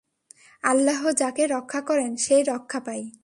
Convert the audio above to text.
আল্লাহ যাকে রক্ষা করেন, সে-ই রক্ষা পায়।